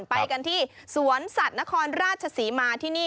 ไปกันที่สวนสัตว์นครราชศรีมาที่นี่